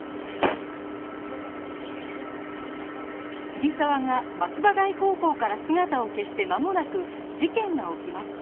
桐沢が松葉台高校から姿を消して間もなく事件が起きます